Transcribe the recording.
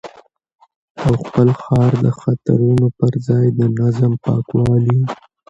او خپل ښار د خطرونو پر ځای د نظم، پاکوالي